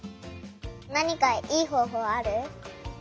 なにかいいほうほうある？